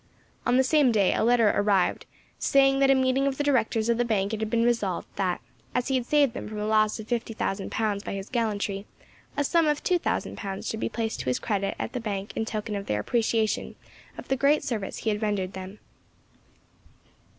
On the same day a letter arrived saying that at a meeting of the directors of the bank it had been resolved that, as he had saved them from a loss of fifty thousand pounds by his gallantry, a sum of two thousand pounds should be placed to his credit at the bank in token of their appreciation of the great service he had rendered them.